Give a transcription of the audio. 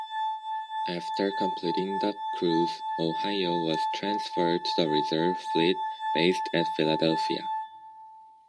After completing the cruise, "Ohio" was transferred to the Reserve Fleet based at Philadelphia.